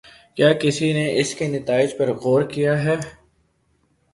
کیا کسی نے اس کے نتائج پر غور کیا ہے؟